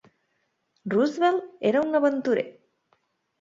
Roosevelt era un aventurer.